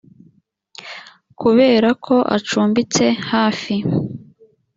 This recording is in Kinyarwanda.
kubera ko acumbitse hafi